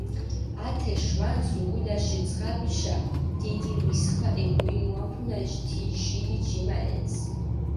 ათე შვანს უკულაში ძღაბიშა დიდი რისხვა ეკურინუაფუნა თი ჟირი ჯიმალენს.